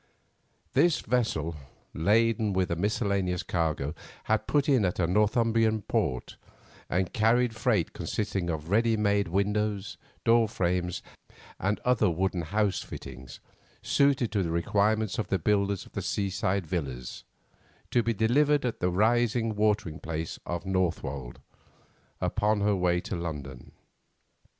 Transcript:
This vessel, laden with a miscellaneous cargo, had put in at a Northumbrian port, and carried freight consisting of ready made windows, door frames, and other wooden house fittings suited to the requirements of the builders of seaside villas, to be delivered at the rising watering place of Northwold, upon her way to London.